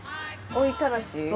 追いたらし。